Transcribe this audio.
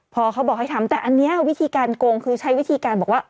พอเขาบอกให้ทำแต่อันนี้วิธีการโกงคือใช้วิธีการบอกว่า